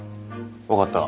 分かった。